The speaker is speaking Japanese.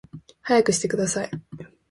速くしてください